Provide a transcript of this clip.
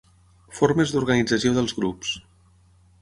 Formes d'organització dels grups.